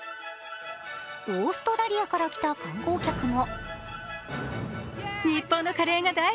オーストラリアから来た観光客も。